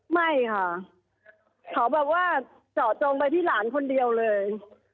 ไม่ค่ะเขาแบบว่าเจาะจงไปที่หลานคนเดียวเลย